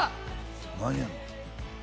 何やの？